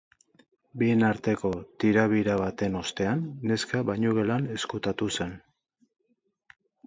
Bien arteko tirabira baten ostean, neska bainugelan ezkutatu zen.